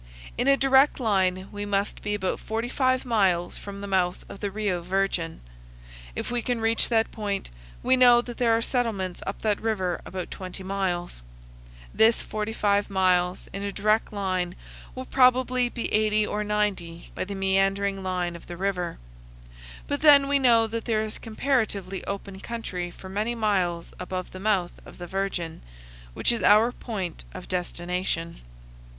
In a direct line, we must be about 45 miles from the mouth of the Rio Virgen. If we can reach that point, we know that there are settlements up that river about 20 miles. This 45 miles in a direct line will probably be 80 or 90 by the meandering line of the river. But then we know that there is comparatively open country for many miles above the mouth of the Virgen, which is our point of destination.